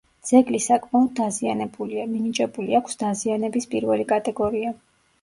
ძეგლი საკმაოდ დაზიანებულია, მინიჭებული აქვს დაზიანების პირველი კატეგორია.